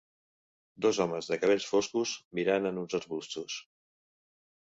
Dos homes de cabells foscos mirant en uns arbustos.